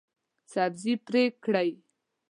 سبزي پرې کړئ